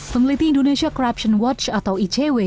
peneliti indonesia corruption watch atau icw